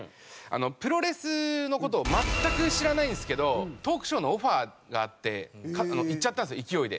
プロレスの事を全く知らないんですけどトークショーのオファーがあって行っちゃったんですよ勢いで。